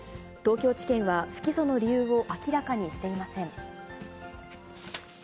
東京地検は、不起訴の理由を明らかにしていません。